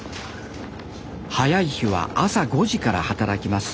早い日は朝５時から働きます